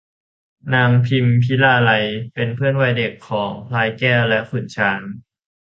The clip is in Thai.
นางพิมพิลาไลยเป็นเพื่อนวัยเด็กของพลายแก้วและขุนช้าง